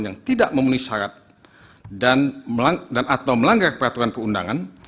yang tidak memenuhi syarat dan atau melanggar peraturan perundangan